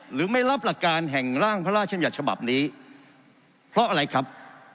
หรือไม่รับหลักการแห่งร่างพระราชญาชบับนี้เพราะอะไรครับ